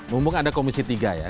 mumpung ada komisi tiga ya